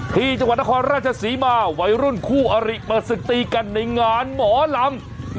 ที่จังหวัดนครราชศรีมาวัยรุ่นคู่อริเปิดศึกตีกันในงานหมอลำ